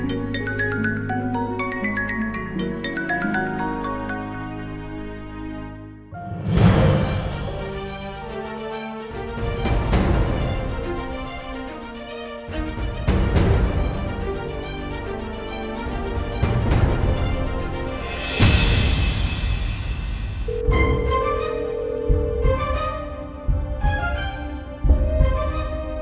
ini sudah gejolin